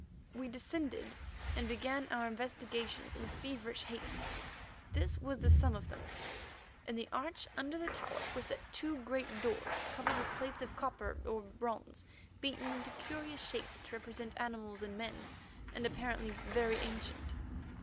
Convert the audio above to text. We descended and began our investigations in feverish haste. This was the sum of them: In the arch under the tower were set two great doors covered with plates of copper or bronze beaten into curious shapes to represent animals and men, and apparently very ancient.